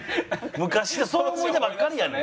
昔ってそういう思い出ばっかりやねん。